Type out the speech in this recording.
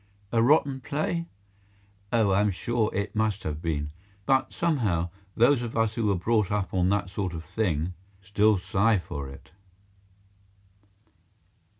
A rotten play? Oh, I am sure it must have been. But, somehow, those of us who were brought up on that sort of thing, still sigh for it.